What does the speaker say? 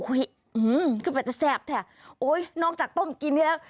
อุ้ยขึ้นไปจะแซกแทบโอ้ยนอกจากต้มกินนี้แล้ว